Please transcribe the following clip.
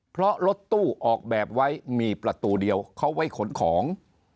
เพราะรถตู้ออกแบบไว้มีประตูเดียวเขาไว้ขนของ